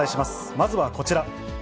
まずはこちら。